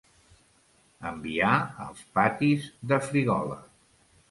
Enviar als patis de Frígola.